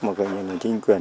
mà coi như là chính quyền